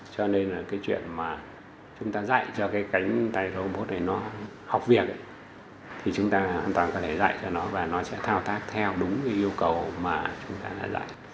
cho nên là cái chuyện mà chúng ta dạy cho cái cánh tay robot này nó học việc thì chúng ta hoàn toàn có thể dạy cho nó và nó sẽ thao tác theo đúng cái yêu cầu mà chúng ta đã dạy